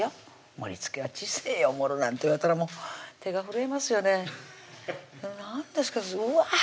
盛りつけは知性を盛るなんて言われたらもう手が震えますよねなんですかうわ